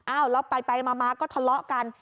อ้าวแล้วไปมาก็ทะเลาะกัน